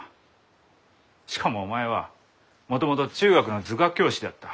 しかもお前はもともと中学の図画教師だった。